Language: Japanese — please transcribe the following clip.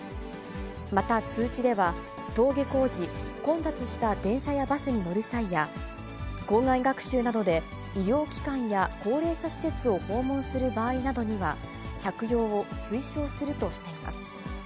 また通知では、登下校時、混雑した電車やバスに乗る際や、校外学習などで医療機関や高齢者施設を訪問する場合などには、着用を推奨するとしています。